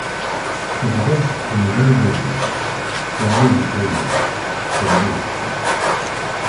Tebda tettḥemmil argaz-is, teɣli di tayri-s, tḥemmel-it.